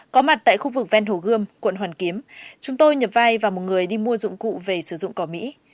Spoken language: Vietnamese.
có mặt tại khu vực ven hồ gươm quận hoàn kiếm chúng tôi nhập vai và một người đi mua dụng cụ về sử dụng cỏ mỹ